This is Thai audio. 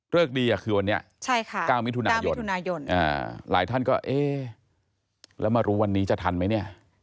ดีคือวันนี้๙มิถุนายนหลายท่านก็เอ๊ะแล้วมารู้วันนี้จะทันไหมเนี่ย